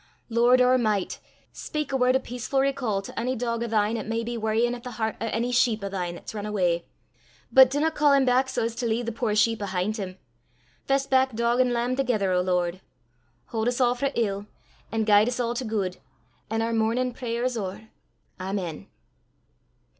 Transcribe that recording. Lord, oor micht, speyk a word o' peacefu' recall to ony dog o' thine 'at may be worryin' at the hert o' ony sheep o' thine 'at's run awa; but dinna ca' him back sae as to lea' the puir sheep 'ahint him; fess back dog an' lamb thegither, O Lord. Haud 's a' frae ill, an' guide 's a' to guid, an' oor mornin' prayer 's ower. Amen."